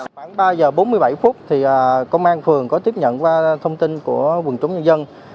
khoảng ba giờ bốn mươi bảy phút thì công an phường có tiếp nhận qua thông tin của quần chúng nhân dân